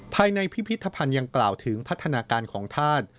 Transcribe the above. พิพิธภัณฑ์ยังกล่าวถึงพัฒนาการของธาตุ